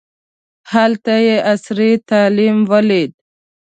هلته یې عصري تعلیم ولیده.